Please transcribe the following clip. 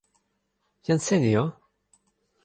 jan Seni o?